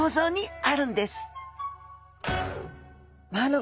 あ！